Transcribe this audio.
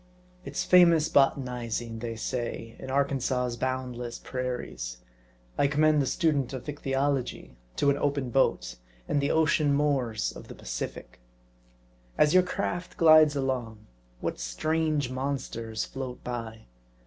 It's famous botanizing, they say, in Arkansas' boundless prairies ; I commend the student of Ichthyology to an open boat, and the ocean moors of the Pacific. As your craft glides along, what strange monsters float by.